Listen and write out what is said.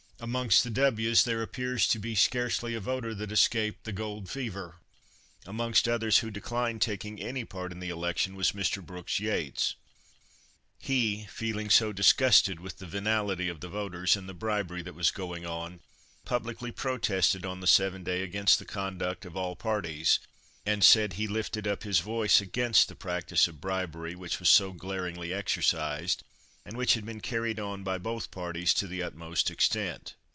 Amongst the W's there appears to be scarcely a voter that escaped "the gold fever." Amongst others who declined taking any part in the election was Mr. Brooks Yates; he, feeling so disgusted with the veniality of the voters, and the bribery that was going on, publicly protested on the seventh day against the conduct of all parties, and said "he lifted up his voice against the practice of bribery, which was so glaringly exercised, and which had been carried on by both parties to the utmost extent.